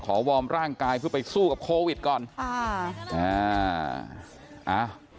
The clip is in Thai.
วอร์มร่างกายเพื่อไปสู้กับโควิดก่อนอ่าอ่า